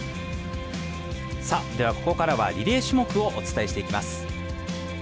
では、ここからはリレー種目をお伝えしていきます。